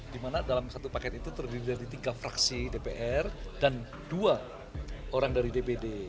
di mana dalam satu paket itu terdiri dari tiga fraksi dpr dan dua orang dari dpd